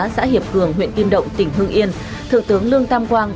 xã hiệp cường huyện kim động tỉnh hưng yên thượng tướng lương tam quang